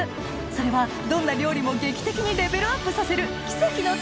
それはどんな料理も劇的にレベルアップさせる